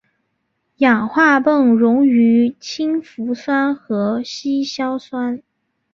氟化汞溶于氢氟酸和稀硝酸。